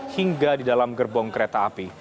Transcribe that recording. hingga di dalam gerbong kereta api